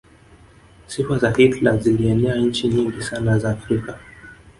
sifa za hitler zilienea nchi nyingi sana za afrika